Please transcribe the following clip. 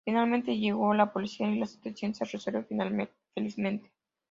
Finalmente, llega la policía y la situación se resuelve felizmente.